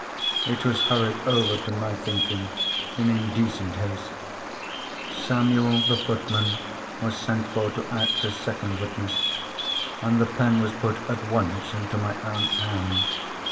It was hurried over, to my thinking, in indecent haste. Samuel, the footman, was sent for to act as second witness—and the pen was put at once into my aunt's hand.